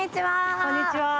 こんにちは。